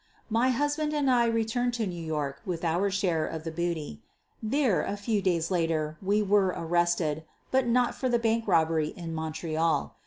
! My husband and I returned to New York with our share of the booty. There, a few days later, we were arrested, but not for the bank robbery in Montreal.